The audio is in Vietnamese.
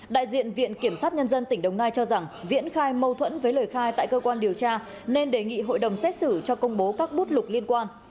đại diện viện kiểm sát nhân dân tỉnh đồng nai cho rằng viễn khai mâu thuẫn với lời khai tại cơ quan điều tra nên đề nghị hội đồng xét xử cho công bố các bút lục liên quan